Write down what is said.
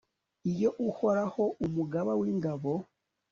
iyo uhoraho, umugaba w'ingabo